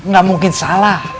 gak mungkin salah